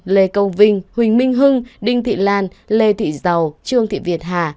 lê câu vinh huỳnh minh hưng đinh thị lan lê thị giàu trương thị việt hà